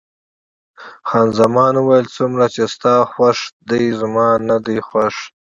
خان زمان وویل: څومره چې ستا خوښ دی، زما نه دی خوښ.